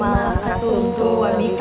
allahumma kasuntuh wa bihakum